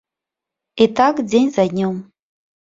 І так дзень за днём.